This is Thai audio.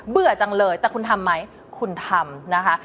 จังเลยแต่คุณทำไหมคุณทำนะคะ